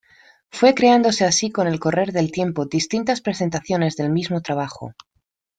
Fue creándose así con el correr del tiempo distintas presentaciones del mismo trabajo.